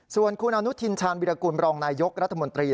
ส่วนคุณอนุทินชาญวิรากุลบรองนายยกรัฐมนตรี